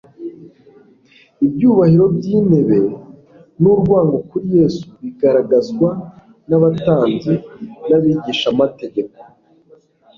ibyubahiro by’intebe, n’urwango kuri Yesu, bigaragazwa n’abatambyi n’abigishamategeko